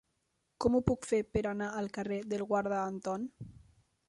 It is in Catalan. Com ho puc fer per anar al carrer del Guarda Anton?